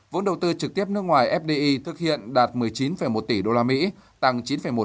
vốn đầu tư trực tiếp nước ngoài fdi thực hiện đạt một mươi chín một tỷ usd tăng chín một